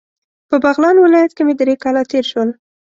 په بغلان ولایت کې مې درې کاله تیر شول.